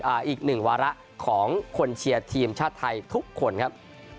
อีกหนึ่งวาระของคนเชียร์ทีมชาติไทยทุกคนครับ